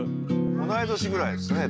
同い年ぐらいですねえ